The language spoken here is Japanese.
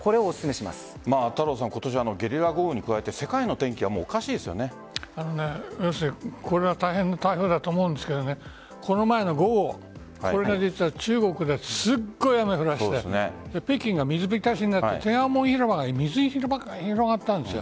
ただでさえ今年ゲリラ豪雨に加えてこれは大変な台風だと思うんですけどこの前の豪雨、これが中国ですごい雨、降らせて北京が水浸しになって天安門広場が水に広がったんです。